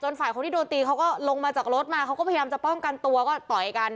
ฝ่ายคนที่โดนตีเขาก็ลงมาจากรถมาเขาก็พยายามจะป้องกันตัวก็ต่อยกัน